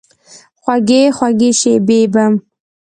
خوږې، خوږې شیبې به،